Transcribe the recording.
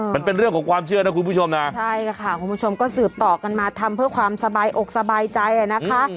มันเป็นเรื่องของความเชื่อนะคุณผู้ชมนะใช่ค่ะคุณผู้ชมก็สืบต่อกันมาทำเพื่อความสบายอกสบายใจอ่ะนะคะ